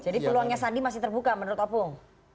jadi peluangnya sandi masih terbuka menurut opung